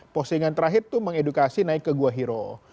postingan terakhir itu mengedukasi naik ke gua hero